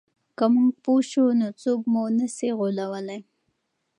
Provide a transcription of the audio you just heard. که موږ پوه سو نو څوک مو نه سي غولولای.